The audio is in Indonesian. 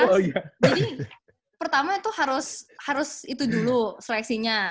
jadi pertama itu harus itu dulu seleksinya